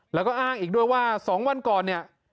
แล้วก็อ้างอีกด้วยว่า๒วันก่อนเนี่ย